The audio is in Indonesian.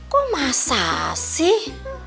kok masa sih